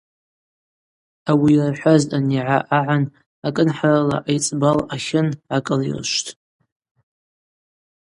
Ауи йырхӏваз анигӏа агӏан, акӏынхӏарала айцӏба лъатлын гӏакӏылирышвттӏ.